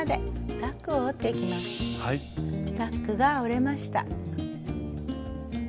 タックが折れました。